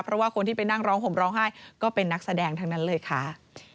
เพราะว่าคนที่ไปนั่งร้องห่มร้องไห้ก็เป็นนักแสดงทั้งนั้นเลยค่ะ